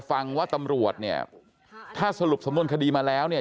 ฟังว่าตำรวจเนี่ยถ้าสรุปสำนวนคดีมาแล้วเนี่ย